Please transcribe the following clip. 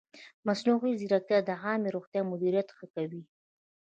مصنوعي ځیرکتیا د عامې روغتیا مدیریت ښه کوي.